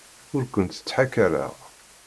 Ur kent-ttḥakaṛeɣ.